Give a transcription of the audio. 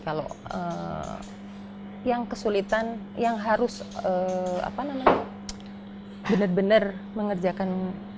kalau yang kesulitan yang harus benar benar mengerjakan